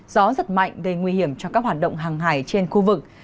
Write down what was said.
gió giật mạnh gây nguy hiểm cho các hoạt động hàng hải trên khu vực